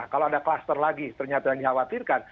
kalau ada kluster lagi ternyata yang dikhawatirkan